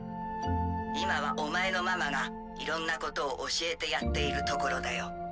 今はお前のママがいろんなことを教えてやっているところだよ。